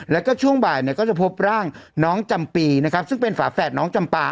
แล้วก็ช่วงบ่ายเนี่ยก็จะพบร่างน้องจำปีนะครับซึ่งเป็นฝาแฝดน้องจำปา